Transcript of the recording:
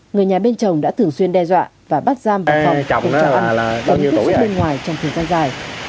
người nhà bên chồng đã thường xuyên đe dọa và bắt giam vào phòng để trả ơn tìm cách xuất bên ngoài trong thời gian dài